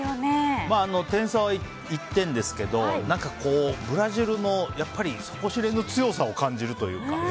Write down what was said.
点差は１点ですけどブラジルの底知れぬ強さを感じるというか。